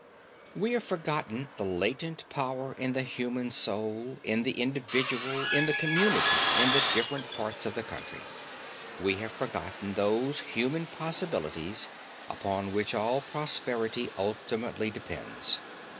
We have forgotten the latent power in the human soul, in the individual, in the community, in the different parts of the country. We have forgotten those human possibilities upon which all prosperity ultimately depends.